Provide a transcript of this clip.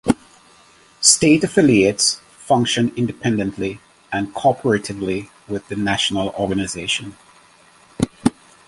State affiliates function independently and cooperatively with the national organization.